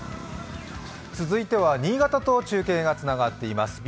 続いては新潟と中継がつながっています。